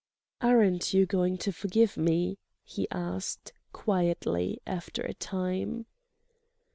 "Aren't you going to forgive me?" he asked, quietly, after a time.